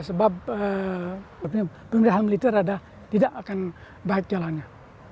sebab pemuda hal militer tidak akan baik jalannya